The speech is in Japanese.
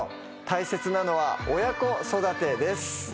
大切なのは親子育てです。